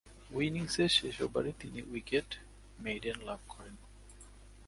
ঐ ইনিংসের শেষ ওভারে তিনি উইকেট-মেইডেন লাভ করেন।